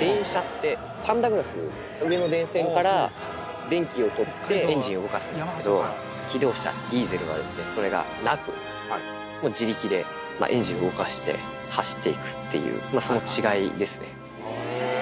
電車ってパンタグラフ、上の電線から電気を取って、エンジンを動かしてるんですけど、気動車、ディーゼルはですね、それがなく、もう自力でエンジンを動かして走っていくっていう、その違いですね。